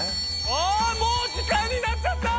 あもう時間になっちゃった！